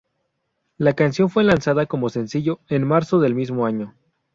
La canción fue lanzada como sencillo en marzo del mismo año.